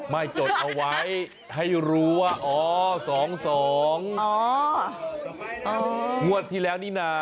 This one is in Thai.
ไม่จดเอาไว้ให้รู้ว่า๒๒งวดที่แล้วนี่น่า